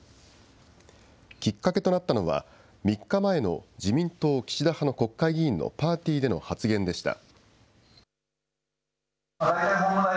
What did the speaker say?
きっかけとなったのは、３日前の自民党岸田派の国会議員のパーティーでの発言でした。